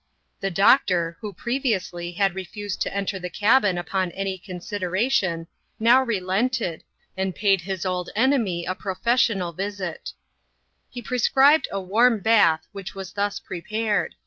The doctor, who previously had refused to enter th( cabin upon any consideration, now relented, and paid his oU enemy a professional visit He prescribed a warm bath, which was thus prepared.